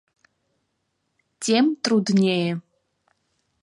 Тем труднее.